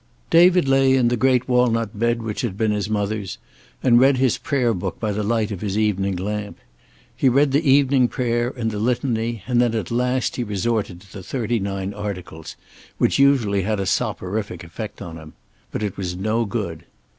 David lay in the great walnut bed which had been his mother's, and read his prayer book by the light of his evening lamp. He read the Evening Prayer and the Litany, and then at last he resorted to the thirty nine articles, which usually had a soporific effect on him. But it was no good.